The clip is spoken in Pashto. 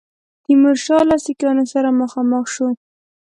تیمورشاه له سیکهانو سره مخامخ شو.